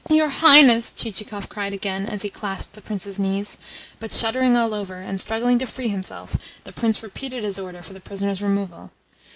"Your Highness!" Chichikov cried again as he clasped the Prince's knees; but, shuddering all over, and struggling to free himself, the Prince repeated his order for the prisoner's removal.